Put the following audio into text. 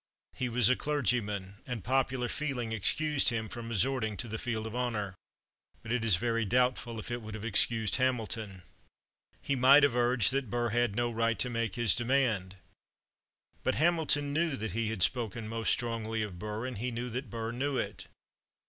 He was a clergyman, and popular feeling excused him from resorting to the field of honor. But it is very doubtful if it would have excused Hamilton. He might have urged that Burr had no right to make his demand. But Hamilton knew that he had spoken most strongly of Burr, and he knew that Burr knew it.